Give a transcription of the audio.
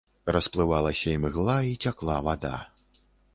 Расплывалася імгла, і цякла вада.